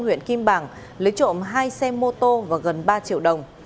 huyện kim bảng lấy trộm hai xe mô tô và gần ba triệu đồng